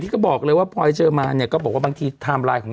ก็บอกเลยว่าพลอยเจอมาเนี่ยก็บอกว่าบางทีไทม์ไลน์ของ